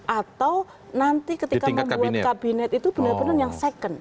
atau nanti ketika membuat kabinet itu benar benar yang second